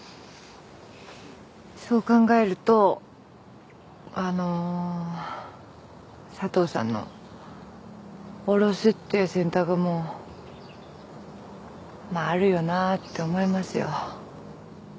そう考えるとあの佐藤さんの堕ろすっていう選択もまああるよなって思いますよ。